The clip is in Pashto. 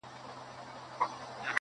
په ډبره غوړي کوي؟